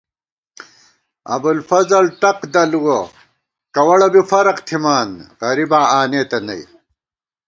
ابُوالفضل ٹق دَلُوَہ، کوَڑہ بی فرق تھِمان، غریباں آنېتہ نئ